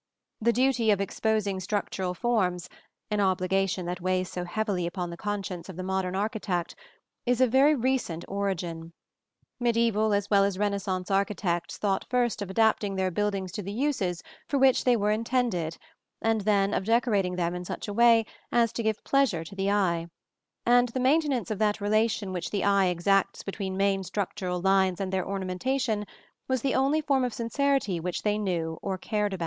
The duty of exposing structural forms an obligation that weighs so heavily upon the conscience of the modern architect is of very recent origin. Mediæval as well as Renaissance architects thought first of adapting their buildings to the uses for which they were intended and then of decorating them in such a way as to give pleasure to the eye; and the maintenance of that relation which the eye exacts between main structural lines and their ornamentation was the only form of sincerity which they knew or cared about.